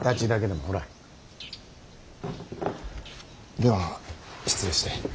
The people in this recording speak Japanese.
では失礼して。